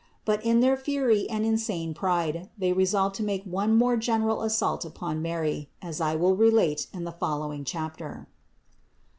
But in their fury and insane pride, they resolved to make one more general assault upon Mary, as I will relate in the following chapter.